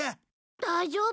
大丈夫？